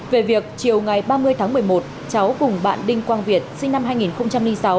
về việc chiều ngày ba mươi tháng một mươi một cháu cùng bạn đinh quang việt sinh năm hai nghìn sáu